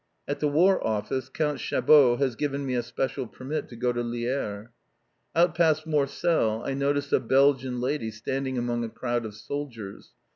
At the War Office, Count Chabeau has given me a special permit to go to Lierre. Out past Mortsell, I notice a Belgian lady standing among a crowd of soldiers.